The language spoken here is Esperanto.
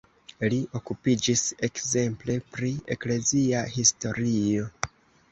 Li okupiĝis ekzemple pri eklezia historio.